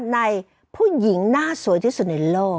ในผู้หญิงหน้าสวยที่สุดในโลก